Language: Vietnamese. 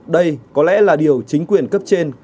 đây có lẽ là điều chính quyền cấp trên cần phải làm rõ